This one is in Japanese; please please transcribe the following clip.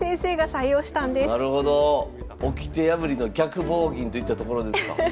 おきて破りの逆棒銀といったところですか。